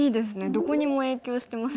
どこにも影響してますよね。